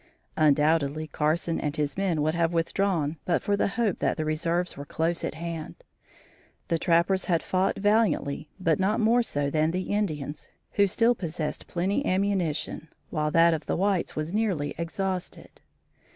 Undoubtedly Carson and his men would have withdrawn but for the hope that the reserves were close at hand. The trappers had fought valiantly but not more so than the Indians, who still possessed plenty ammunition while that of the whites was nearly exhausted.